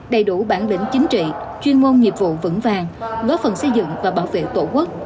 đầy đủ bản lĩnh chính trị chuyên môn nghiệp vụ vững vàng góp phần xây dựng và bảo vệ tổ quốc